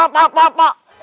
pak pak pak